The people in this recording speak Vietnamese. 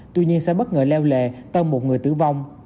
tuy nhiên xe bất ngờ leo lề tâm một người tử vong